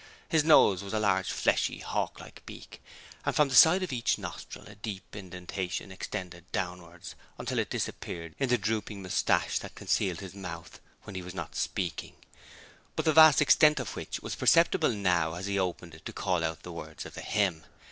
His nose was a large, fleshy, hawklike beak, and from the side of each nostril a deep indentation extended downwards until it disappeared in the drooping moustache that concealed his mouth when he was not speaking, but the vast extent of which was perceptible now as he opened it to call out the words of the hymn.